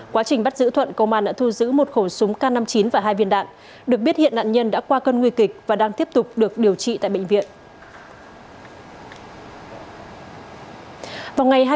quá trình bắt giữ thuận công an đã thu giữ một khẩu súng k năm mươi chín và hai viên đạn được biết hiện nạn nhân đã qua cơn nguy kịch và đang tiếp tục được điều trị tại bệnh viện